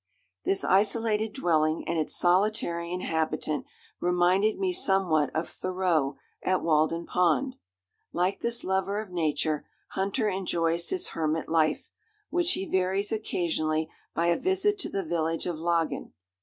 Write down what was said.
This isolated dwelling and its solitary inhabitant reminded me somewhat of Thoreau at Walden Pond. Like this lover of nature, Hunter enjoys his hermit life, which he varies occasionally by a visit to the village of Laggan.